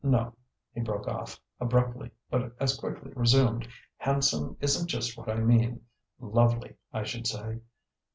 No " he broke off abruptly, but as quickly resumed "handsome isn't just what I mean. Lovely, I should say.